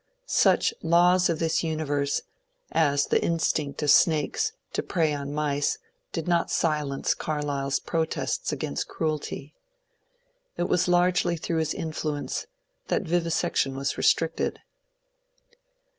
Such ^^ laws of this uni verse " as the instinct of snakes to prey on mice did not silence Carlyle's protests against cruelty. It was largely through his influence that vivisection was restricted.